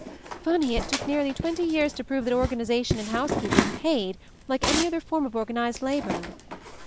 Funny! It took nearly twenty years to prove that organization in housekeeping paid, like any other form of organized labor.